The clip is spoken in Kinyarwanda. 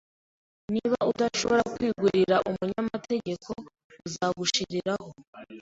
Niba udashobora kwigurira umunyamategeko, uzagushiraho.